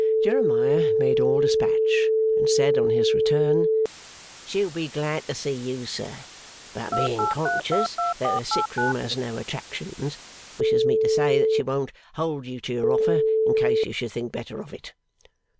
Jeremiah made all despatch, and said, on his return, 'She'll be glad to see you, sir; but, being conscious that her sick room has no attractions, wishes me to say that she won't hold you to your offer, in case you should think better of it.